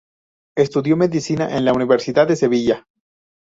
Estudió Medicina en la Universidad de Sevilla.